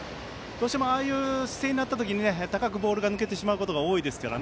どうしてもああいう姿勢になった時に高くボールが抜けてしまうことが多いですから